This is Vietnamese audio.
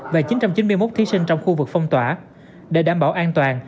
và chín trăm chín mươi một thí sinh trong khu vực phong tỏa để đảm bảo an toàn